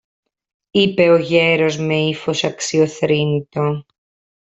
είπε ο γέρος με ύφος αξιοθρήνητο.